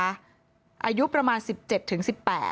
อายุประมาณ๑๗ถึง๑๘